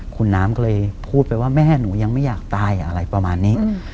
คุณน้ำก็เลยพูดไปว่าแม่หนูยังไม่อยากตายอะไรประมาณนี้